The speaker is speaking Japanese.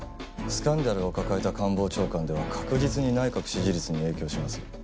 スキャンダルを抱えた官房長官では確実に内閣支持率に影響します。